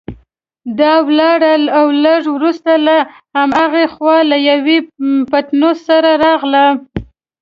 دا ولاړه او لږ وروسته له هماغې خوا له یوه پتنوس سره راغله.